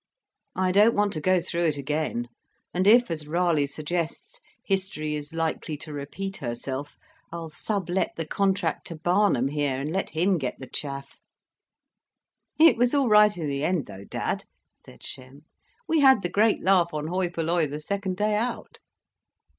"I don't want to go through it again, and if, as Raleigh suggests, history is likely to repeat herself, I'll sublet the contract to Barnum here, and let him get the chaff." "It was all right in the end, though, dad," said Shem. "We had the great laugh on 'hoi polloi' the second day out."